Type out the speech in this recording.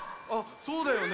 そうだよね。